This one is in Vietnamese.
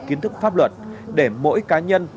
kiến thức pháp luật để mỗi cá nhân